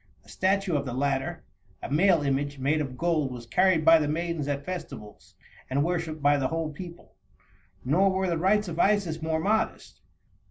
A statue of the latter, a male image, made of gold, was carried by the maidens at festivals, and worshiped by the whole people. Nor were the rites of Isis more modest.